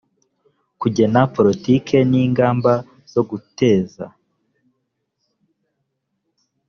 kugena politiki n ingamba zo guteza